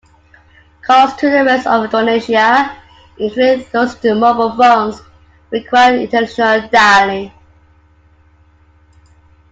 Calls to the rest of Indonesia, including those to mobile phones, require international dialling.